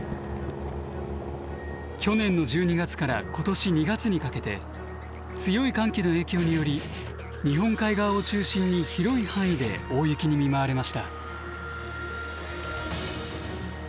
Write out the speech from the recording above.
去年の１２月から今年２月にかけて強い寒気の影響により日本海側を中心に広い範囲で大雪に見舞われました。